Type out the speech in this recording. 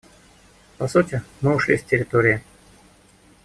По сути, мы ушли с территории.